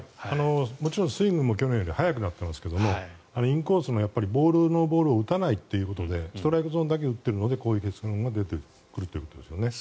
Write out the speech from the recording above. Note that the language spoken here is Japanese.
もちろんスイングも去年より速くなっていますがインコースのボールのボールを打たないということでストライクゾーンだけ打ってるのでこういう結論が出ているということですよね。